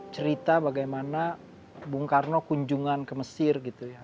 cerita bagaimana bung karno kunjungan ke mesir